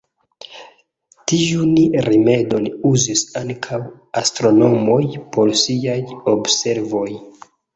Tiun rimedon uzis ankaŭ astronomoj por siaj observoj.